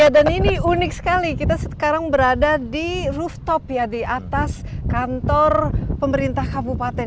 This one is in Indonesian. dan ini unik sekali kita sekarang berada di rooftop ya di atas kantor pemerintah kabupaten